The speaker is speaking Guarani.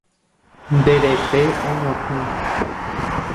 Nde rete oñotỹ